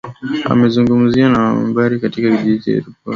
amezungumza na wanahabari katika jiji la tripoli